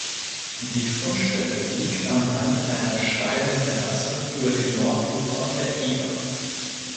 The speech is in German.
Die Fundstelle liegt am Hang einer steilen Terrasse über dem Nordufer der Eger.